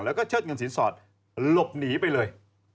แล้วก็เชิดเงินสินสอดหลบหนีไปเลย